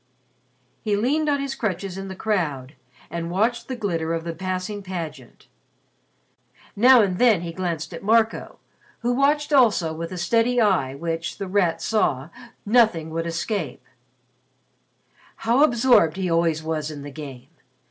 He leaned on his crutches in the crowd and watched the glitter of the passing pageant. Now and then he glanced at Marco, who watched also with a steady eye which, The Rat saw, nothing would escape: How absorbed he always was in the Game!